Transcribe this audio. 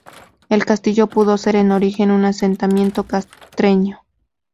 El castillo pudo ser en origen un asentamiento castreño.